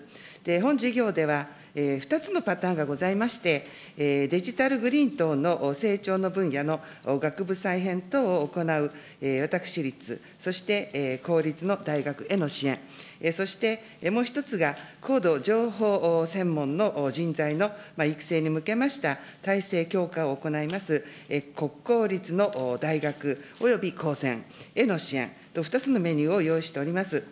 本事業では２つのパターンがございまして、デジタルグリーン等の成長の分野の学部再編等を行う私立、そして公立の大学への支援、そして、もう１つが、高度情報専門の人材の育成に向けました体制強化を行います、国公立の大学、および高専への支援と２つのメニューを用意しております。